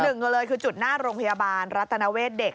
หนึ่งเลยคือจุดหน้าโรงพยาบาลรัตนเวทเด็ก